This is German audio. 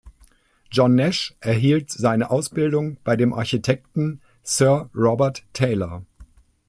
John Nash erhielt seine Ausbildung bei dem Architekten Sir Robert Taylor.